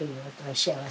幸せ？